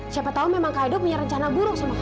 siapa tahu memang kak edo punya rencana buruk sama kava